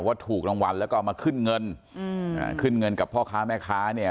ถูกรางวัลแล้วก็เอามาขึ้นเงินอืมอ่าขึ้นเงินกับพ่อค้าแม่ค้าเนี่ย